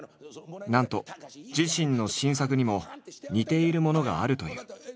なんと自身の新作にも似ているものがあるという。